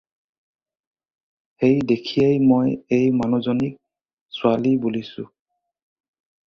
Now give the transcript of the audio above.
সেই দেখিয়েই মই এই মানুহজনীক ছোৱালী বুলিছোঁ।